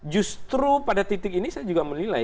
justru pada titik ini saya juga menilai